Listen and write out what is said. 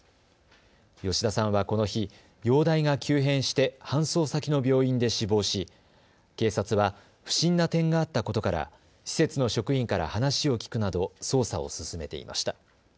吉田さんはこの日、容体が急変して搬送先の病院で死亡し警察は不審な点があったことから施設の職員から話を聞くなど捜査を進めていました。